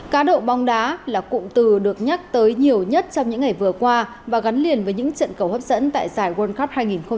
cá độ bóng đá là cụm từ được nhắc tới nhiều nhất trong những ngày vừa qua và gắn liền với những trận cầu hấp dẫn tại giải world cup hai nghìn hai mươi bốn